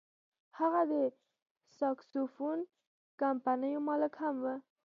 هغه د ساکسوفون کمپنیو مالک هم و.